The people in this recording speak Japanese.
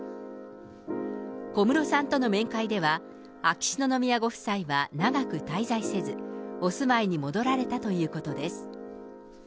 小室さんとの面会では、秋篠宮ご夫妻は長く滞在せず、お住まいに戻られたということです。